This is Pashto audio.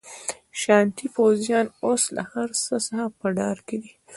شاتني پوځیان اوس له هرڅه څخه په ډار کې دي.